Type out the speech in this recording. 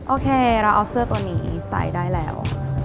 โอเคเราเอาเสื้อตัวนี้ใส่ได้แล้ว